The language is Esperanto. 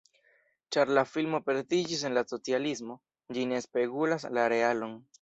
Ĉar la filmo pretiĝis en la socialismo, ĝi ne spegulas la realon.